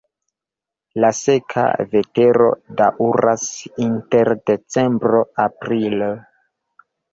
La seka vetero daŭras inter decembro-aprilo.